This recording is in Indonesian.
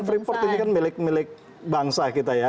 freeport ini kan milik milik bangsa kita ya